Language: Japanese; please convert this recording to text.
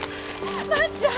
万ちゃん！